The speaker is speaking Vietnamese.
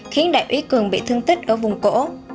khiến đại úy cường bị thương tích ở vùng cổ